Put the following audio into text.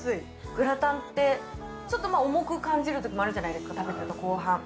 グラタンって、ちょっとまあ重く感じるときもあるじゃないですか、食べてると、後半。